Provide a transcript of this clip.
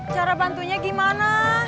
cara bantunya gimana